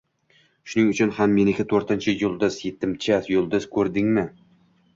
Shuning uchun ham meniki... To'rtinchi yulduz— yetimcha yulduz. Ko'rdingmi